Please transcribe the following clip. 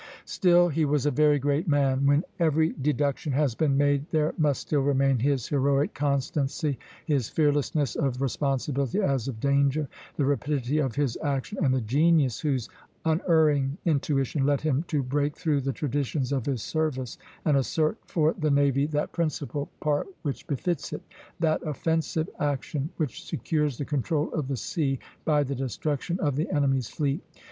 Still, he was a very great man. When every deduction has been made, there must still remain his heroic constancy, his fearlessness of responsibility as of danger, the rapidity of his action, and the genius whose unerring intuition led him to break through the traditions of his service and assert for the navy that principal part which befits it, that offensive action which secures the control of the sea by the destruction of the enemy's fleet.